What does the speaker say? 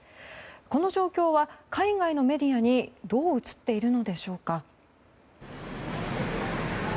この状況は海外のメディアにどう映っているのでしょうか。